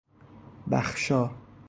بَخشا